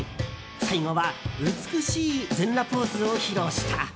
最後は美しい全裸ポーズを披露した。